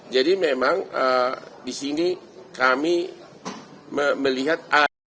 jadi memang disini kami melihat ada keseluruhan